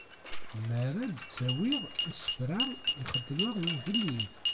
Mi ara d-ttawiɣ isefra i xedmeɣ i ugellid.